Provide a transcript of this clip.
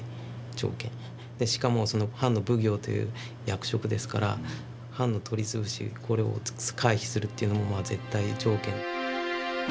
しかも藩の奉行という役職ですから藩の取り潰しを回避するというのも絶対条件。